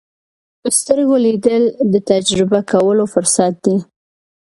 په سترګو لیدل د تجربه کولو فرصت دی